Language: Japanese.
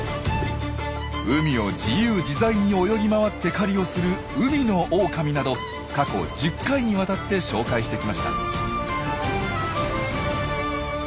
海を自由自在に泳ぎ回って狩りをする海のオオカミなど過去１０回にわたって紹介してきました。